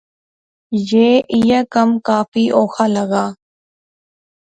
یہ ایہ کم کافی اوخا لغا